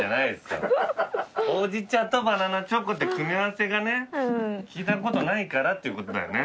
ほうじ茶とバナナチョコって組み合わせがね聞いたことないからっていうことだよね。